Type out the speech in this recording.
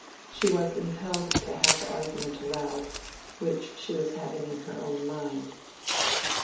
She was impelled to have the argument aloud, which she had been having in her own mind.